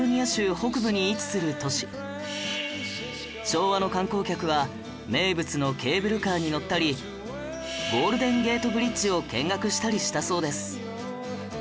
昭和の観光客は名物のケーブルカーに乗ったりゴールデンゲートブリッジを見学したりしたそうです